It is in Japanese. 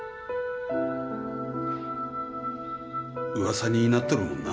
噂になっとるもんな。